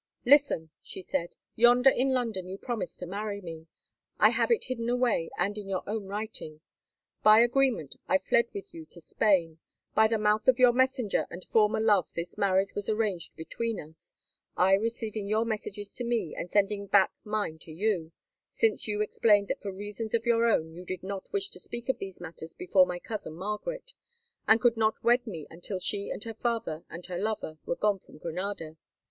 "Listen," she said. "Yonder in London you promised to marry me; I have it hidden away, and in your own writing. By agreement I fled with you to Spain. By the mouth of your messenger and former love this marriage was arranged between us, I receiving your messages to me, and sending back mine to you, since you explained that for reasons of your own you did not wish to speak of these matters before my cousin Margaret, and could not wed me until she and her father and her lover were gone from Granada.